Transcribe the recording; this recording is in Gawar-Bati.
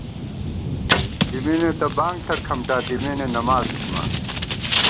ژِمېنےتہ بانگ ݪہ کھمٹا، دِمېنےنماڅ تھِمان